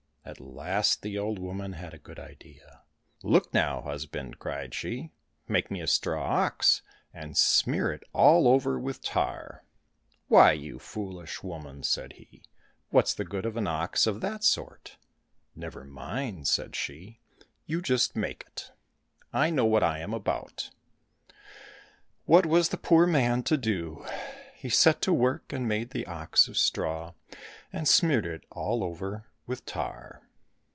At last the old woman had a good idea. " Look now, husband," cried she, " make me a straw ox, and smear it all over with tar." —*' Why, you foolish woman !" said he, " what's the good of an ox of that sort }"—" Never mind," said she, " you just make it. I know what I am about." — What was the poor man to do ? He set to work and made the ox of straw, and smeared it all over with tar.